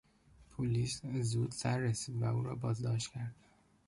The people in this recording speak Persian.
پلیس زود سررسید و او را بازداشت کرد.